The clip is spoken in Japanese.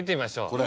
これ？